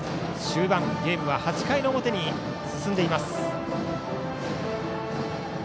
終盤、ゲームは８回の表に進んでいます。